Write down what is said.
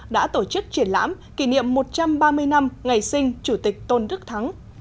đã tổ chức triển lãm kỷ niệm một trăm ba mươi năm ngày sinh chủ tịch tôn đức thắng